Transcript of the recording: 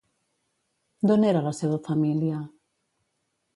D'on era la seva família?